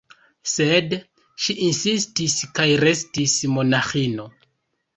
Sed ŝi insistis kaj restis monaĥino.